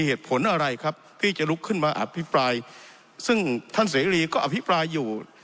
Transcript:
เหตุผลอะไรครับที่จะลุกขึ้นมาอภิปรายซึ่งท่านเสรีก็อภิปรายอยู่